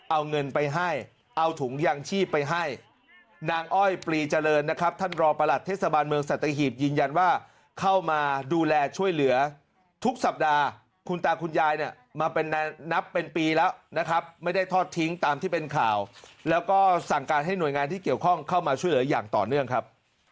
เอาเงินไปให้เอาถุงยางชีพไปให้นางอ้อยปลีเจริญนะครับท่านรอประหลัดเทศบาลเมืองสัตหีบยืนยันว่าเข้ามาดูแลช่วยเหลือทุกสัปดาห์คุณตาคุณยายเนี่ยมาเป็นนับเป็นปีแล้วนะครับไม่ได้ทอดทิ้งตามที่เป็นข่าวแล้วก็สั่งการให้หน่วยงานที่เกี่ยวข้องเข้ามาช่วยเหลืออย่างต่อเนื่องครับ